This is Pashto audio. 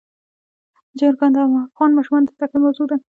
چرګان د افغان ماشومانو د زده کړې موضوع ده.